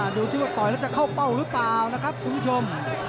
ดูที่ว่าต่อยแล้วจะเข้าเป้าหรือเปล่านะครับคุณผู้ชม